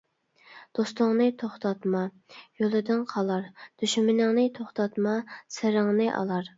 دوستۇڭنى توختاتما، يولىدىن قالار، دۈشمىنىڭنى توختاتما، سىرىڭنى ئالار.